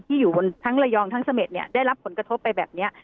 อยู่บนทั้งระยองทั้งเสม็ดเนี่ยได้รับผลกระทบไปแบบนี้